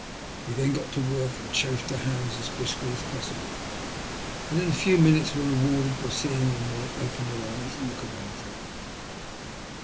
We then set to work and chafed her hands as briskly as possible, and in a few minutes were rewarded by seeing the mite open her eyes and look about her.